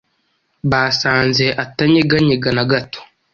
basanze atanyeganyega nagato